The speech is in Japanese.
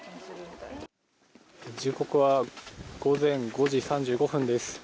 時刻は午前５時３５分です。